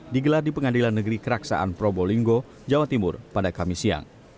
digelar di pengadilan negeri keraksaan probolinggo jawa timur pada kamis siang